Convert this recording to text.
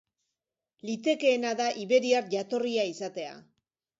Litekeena da iberiar jatorria izatea.